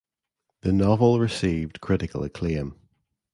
The novel received critical acclaim.